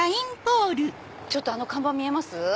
ちょっとあの看板見えます？